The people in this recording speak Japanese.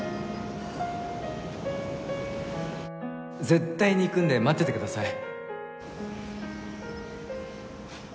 絶対に行くんで待っててください。